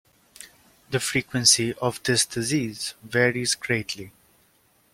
The frequency of this disease varies greatly.